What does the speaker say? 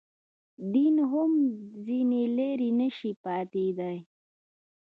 دین هم ځنې لرې نه شي پاتېدای.